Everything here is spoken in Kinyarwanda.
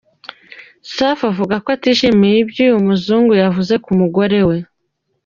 Safi avuga ko atishimiye ibyo uyu muzungu yavuze ku mugore we.